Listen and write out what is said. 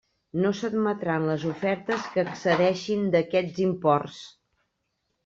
No s'admetran les ofertes que excedeixin d'aquests imports.